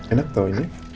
enak tuh ini